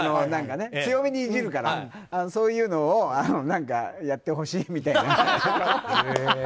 強めにいじるからそういうのをやってほしいみたいな。